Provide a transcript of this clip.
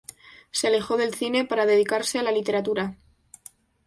Se alejó del cine para dedicarse a la literatura.